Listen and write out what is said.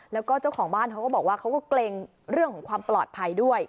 แล้วก็เจ้าของบ้านเขาก็บอกว่าเขาก็เกรงเรื่องของความปลอดภัยด้วย